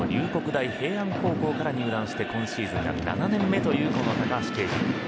大平安高校から入団して今シーズンが７年目という高橋奎二。